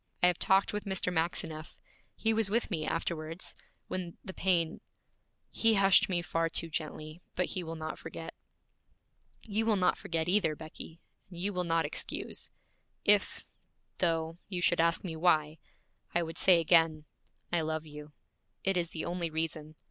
I have talked with Mr. Maxineff. He was with me afterwards, when the pain He hushed me far too gently, but he will not forget. You will not forget either, Becky, and you will not excuse. If, though, you should ask me why, I would say again, I love you. It is the only reason.